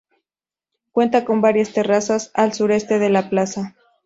Cuenta con varias terrazas al suroeste de la plaza.